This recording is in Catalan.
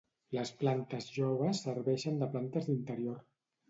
Les plantes joves serveixen de plantes d'interior.